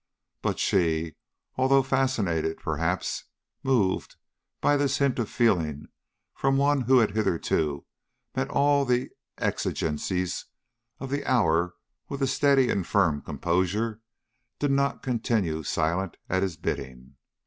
But she, although fascinated, perhaps moved, by this hint of feeling from one who had hitherto met all the exigencies of the hour with a steady and firm composure, did not continue silent at his bidding.